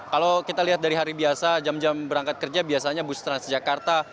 kalau kita lihat dari hari biasa jam jam berangkat kerja biasanya bus transjakarta